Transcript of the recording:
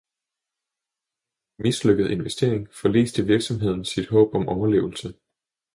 På grund af en mislykket investering forliste virksomheden sit håb om overlevelse.